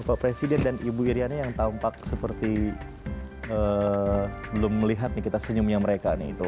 bapak presiden dan ibu iryana yang tampak seperti belum melihat kita senyumnya mereka